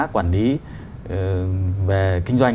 quản lý về kinh doanh